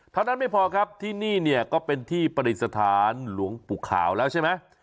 เท่านั้นไม่พอครับที่นี่เนี่ยก็เป็นที่ประดิษฐานหลวงปู่ขาวแล้วใช่ไหม